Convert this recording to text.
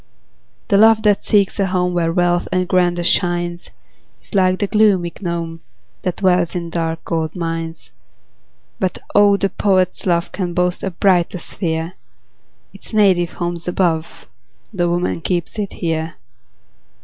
The love that seeks a home Where wealth or grandeur shines, Is like the gloomy gnome, That dwells in dark gold mines. But oh! the poet's love Can boast a brighter sphere; Its native home's above, Tho' woman keeps it here.